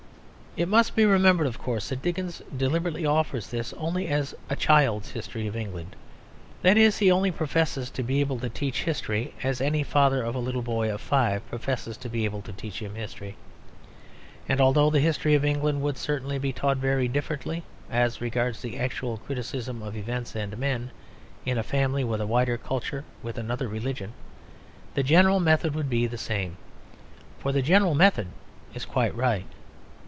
It must be remembered, of course, that Dickens deliberately offers this only as a "child's" history of England. That is, he only professes to be able to teach history as any father of a little boy of five professes to be able to teach him history. And although the history of England would certainly be taught very differently (as regards the actual criticism of events and men) in a family with a wider culture or with another religion, the general method would be the same. For the general method is quite right.